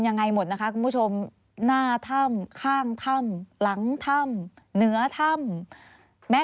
ยังไงหมดนะคะคุณผู้ชมหน้าถ้ำข้างถ้ำหลังถ้ำเหนือถ้ำแม้